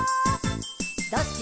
「どっち？」